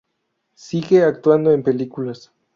Sigue actuando en películas.